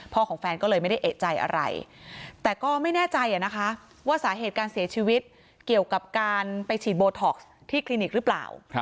ของแฟนก็เลยไม่ได้เอกใจอะไรแต่ก็ไม่แน่ใจนะคะว่าสาเหตุการเสียชีวิตเกี่ยวกับการไปฉีดโบท็อกซ์ที่คลินิกหรือเปล่า